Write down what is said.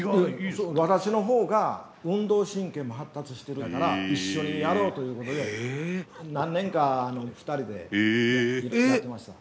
そう私の方が運動神経も発達してるから一緒にやろうということで何年か２人でやってました。